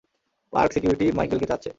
Park security Michael কে চাচ্ছে।